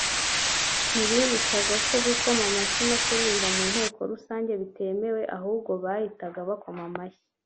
ntibibukaga ko gukama amashyi no kuririmba mu nteko rusange bitemewe ahubwo bahitaga bakoma amashyi